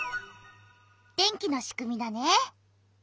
電気のしくみだね。